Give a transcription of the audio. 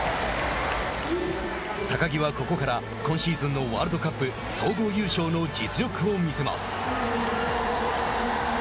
高木はここから今シーズンのワールドカップ総合優勝の実力を見せます。